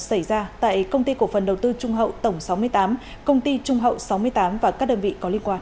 xảy ra tại công ty cổ phần đầu tư trung hậu tổng sáu mươi tám công ty trung hậu sáu mươi tám và các đơn vị có liên quan